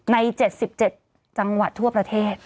ใน๗๗จังหวัดทั่วประเทศ